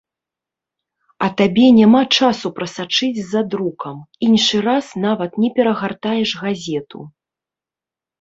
А табе няма часу прасачыць за друкам, іншы раз нават не перагартаеш газету.